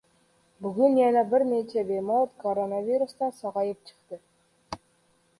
Bugun yana bir necha bemor koronavirusdan sog‘ayib chiqdi